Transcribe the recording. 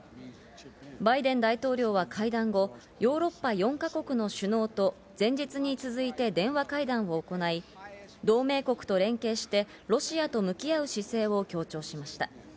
バイデン大統領は会談後、ヨーロッパ４か国の首脳と前日に続いて電話会談行い、同盟国と連携してロシアと向き合う姿勢を強調しました。